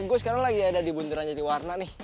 gue sekarang lagi ada di bundur raja tiwarna nih